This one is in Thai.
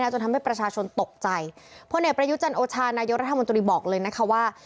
จนทำให้ประชาชนตกใจเพราะเนี่ยประยุจรรย์โอชาณายอรัฐมนตรีบอกเลยนะคะว่า